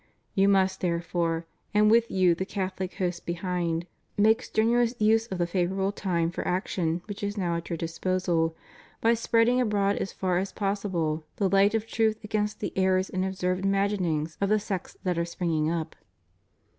You must, therefore, and with you the Catholic host behind, make strenuous use of the favorable time for action which is now at your disposal by spreading abroad as far as possible TO THE AMERICAN HIERARCHY. 515 the light of truth against the errors and absurd imaginings of the sects that are springing up.